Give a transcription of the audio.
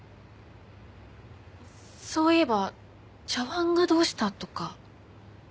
そういえば茶碗がどうしたとか。